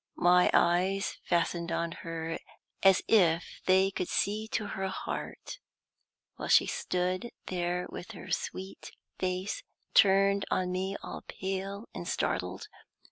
My eyes fastened on her as if they could see to her heart, while she stood there with her sweet face turned on me all pale and startled.